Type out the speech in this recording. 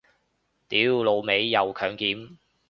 屌老味又強檢